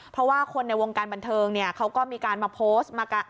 เพราะว่าคนในวงการบันเทิงเนี่ยเขาก็มีการมาโพสต์